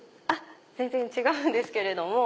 全然違うんですけれども。